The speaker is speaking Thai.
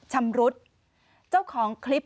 ชำรุดเจ้าของคลิป